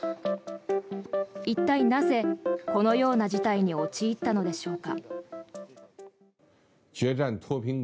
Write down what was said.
一体、なぜこのような事態に陥ったのでしょうか。